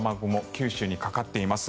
九州にかかっています。